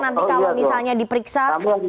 nanti kalau misalnya diperiksa